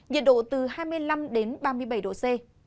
nhiệt độ từ hai mươi năm ba mươi bảy độ c